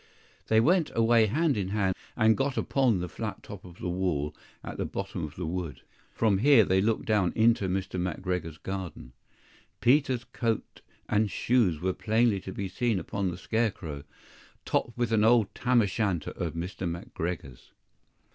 THEY went away hand in hand, and got upon the flat top of the wall at the bottom of the wood. From here they looked down into Mr. McGregor's garden. Peter's coat and shoes were plainly to be seen upon the scarecrow, topped with an old tam o shanter of Mr. McGregor's.